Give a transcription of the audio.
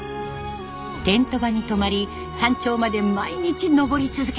テント場に泊まり山頂まで毎日登り続け